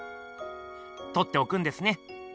とっておくんですね？